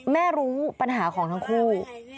รู้ปัญหาของทั้งคู่